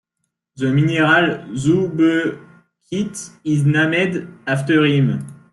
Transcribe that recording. The mineral Zoubekite is named after him.